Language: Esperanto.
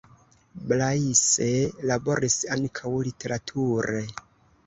Blaise laboris ankaŭ literature.